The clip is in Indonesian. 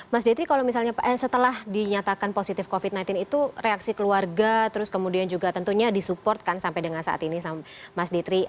mas detri kalau misalnya setelah dinyatakan positif covid sembilan belas itu reaksi keluarga terus kemudian juga tentunya disupport kan sampai dengan saat ini sama mas detri